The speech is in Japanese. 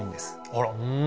あら！